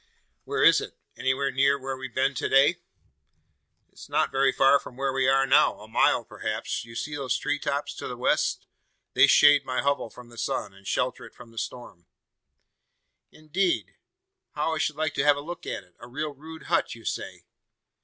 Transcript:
"Where is it? Anywhere near where we've been to day?" "It is not very far from where we are now. A mile, perhaps. You see those tree tops to the west? They shade my hovel from the sun, and shelter it from the storm." "Indeed! How I should like to have a look at it! A real rude hut, you say?"